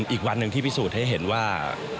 อีกวันหนึ่งที่พิสูจน์ให้เห็นว่า